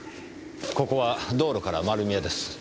ここは道路から丸見えです。